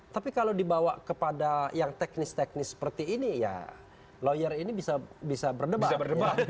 tapi kalau dibawa kepada yang teknis teknis seperti ini ya lawyer ini bisa berdebat